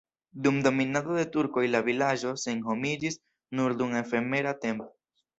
Dum dominado de turkoj la vilaĝo senhomiĝis nur dum efemera tempo.